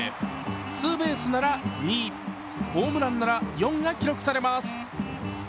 ツーベースなら２、ホームランなら４が記録されます。